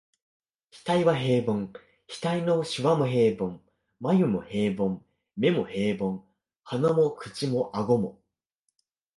額は平凡、額の皺も平凡、眉も平凡、眼も平凡、鼻も口も顎も、